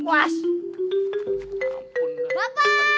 om aduh nomasan nih